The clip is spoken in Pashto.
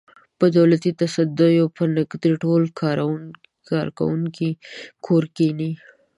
په دولتي تصدیو کې به نږدې ټول کارکوونکي کور کېني.